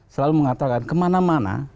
selalu mengatakan ke mana mana